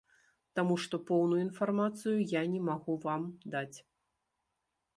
Таму што поўную інфармацыю я не магу вам даць.